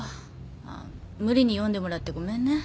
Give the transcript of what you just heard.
あっ無理に読んでもらってごめんね。